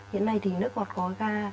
hiện nay thì nước ngọt có ra